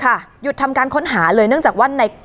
สลับผัดเปลี่ยนกันงมค้นหาต่อเนื่อง๑๐ชั่วโมงด้วยกัน